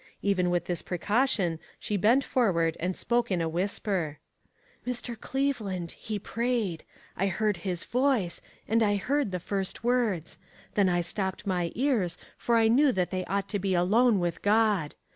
Even with this precaution she bent forward and spoke in a whisper: "Mr. Cleveland, he prayed. I heard his voice, and I heard the first words; then I stopped my ears for I knew that they ought to be alone with God.